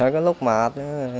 có lúc mệt